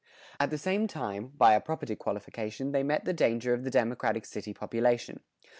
At the same time, by a property qualification they met the danger of the democratic city population.